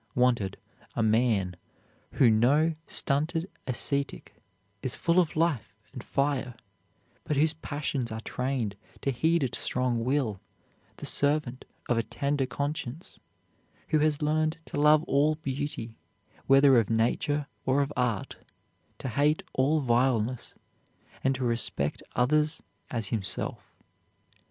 Wanted, a man "who, no stunted ascetic, is full of life and fire, but whose passions are trained to heed a strong will, the servant of a tender conscience; who has learned to love all beauty, whether of nature or of art, to hate all vileness, and to respect others as himself."